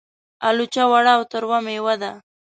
الوچه وړه او تروه مېوه ده.